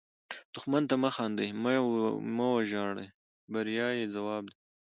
دښمن ته مه خاندئ، مه وژاړئ – بریا یې ځواب ده